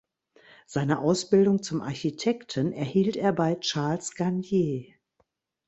Seine Ausbildung zum Architekten erhielt er bei Charles Garnier.